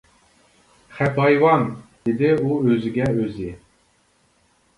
«خەپ ھايۋان» دېدى ئۇ ئۆزىگە ئۆزى.